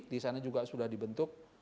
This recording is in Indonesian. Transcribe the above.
disana juga sudah dibentuk